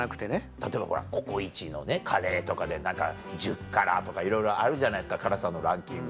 例えばココイチのカレーとかで１０辛とかいろいろあるじゃないですか辛さのランキング。